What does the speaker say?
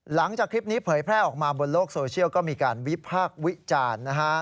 หลังจากคลิปนี้เผยแพร่ออกมาบนโลกโซเชียลก็มีการวิพากษ์วิจารณ์นะฮะ